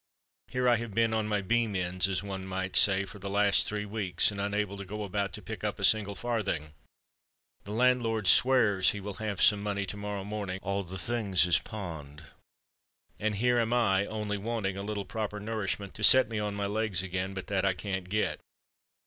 Here have I been on my beam ends, as one may say, for the last three weeks, and unable to go about to pick up a single farthing—the landlord swears he will have some money to morrow morning—all the things is pawned—and here am I only wanting a little proper nourishment to set me on my legs again; but that I can't get."